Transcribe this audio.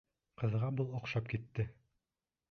Ҡыҙға был оҡшап китте.